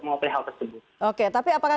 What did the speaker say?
menguplik hal tersebut oke tapi apakah